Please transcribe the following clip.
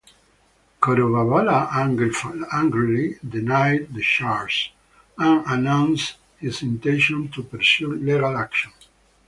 Korovavala angrily denied the charges, and announced his intention to pursue legal action.